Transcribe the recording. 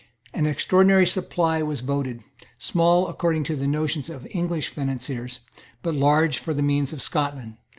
An extraordinary supply was voted, small, according to the notions of English financiers, but large for the means of Scotland.